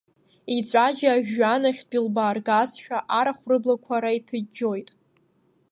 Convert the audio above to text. Еиҵәаџьаа жәҩанахьтә илбааргазшәа, арахә рыблақәа ара иҭыџьџьоит.